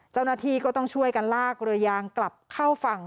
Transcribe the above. เจ้าหน้าที่ก็ต้องช่วยกันลากเรือยางกลับเข้าฝั่ง